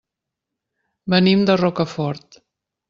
Venim de Rocafort.